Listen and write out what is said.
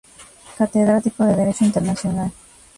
Catedrático de Derecho internacional.